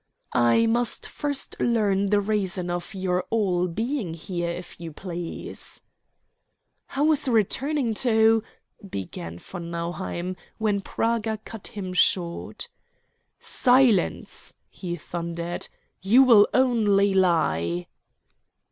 "I must first learn the reason of your all being here, if you please." "I was returning to " began von Nauheim, when Praga cut him short. "Silence!" he thundered; "you will only lie."